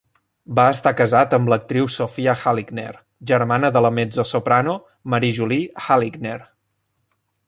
Va estar casat amb l'actriu Sophia Halligner, germana de la mezzosoprano Marie-Julie Halligner.